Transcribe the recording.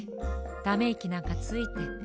ためいきなんかついて。